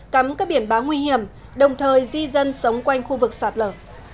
cắm các biển báo nguy hiểm đồng thời di dân sống quanh khu vực sạt lở